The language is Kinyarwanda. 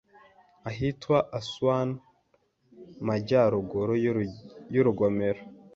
ahitwa Aswanmu majyaruguru y'urugomero